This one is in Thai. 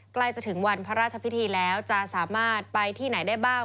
ใกล้จะถึงวันพระราชพิธีแล้วจะสามารถไปที่ไหนได้บ้าง